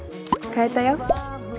買えたよ。